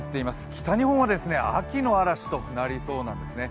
北日本は秋の嵐となりそうなんですね。